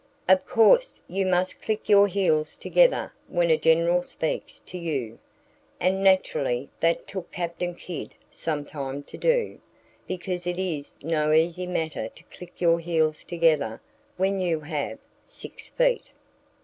Of course, you must click your heels together when a General speaks to you. And naturally that took Captain Kidd some time to do, because it is no easy matter to click your heels together when you have six feet.